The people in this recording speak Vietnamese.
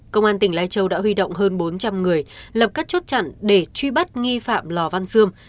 công an tỉnh lai châu đã huy động hơn bốn trăm linh người lập các chốt chặn để truy bắt nghi phạm lò văn xương